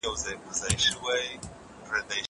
ونه د بزګر له خوا اوبه کيږي!